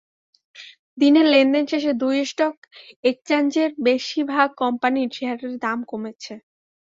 দিনের লেনদেন শেষে দুই স্টক এক্সচেঞ্জে বেশির ভাগ কোম্পানির শেয়ারের দাম কমেছে।